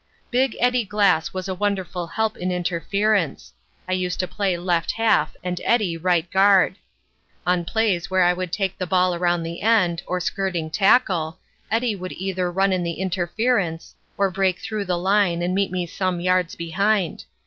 "Big Eddie Glass was a wonderful help in interference. I used to play left half and Eddie left guard. On plays where I would take the ball around the end, or skirting tackle, Eddie would either run in the interference or break through the line and meet me some yards beyond.